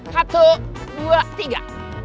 satu dua tiga